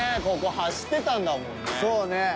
ここ走ってたんだもんね。